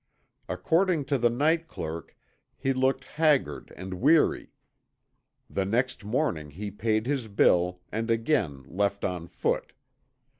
According to the night clerk he looked haggard and weary. The next morning he paid his bill and again left on foot.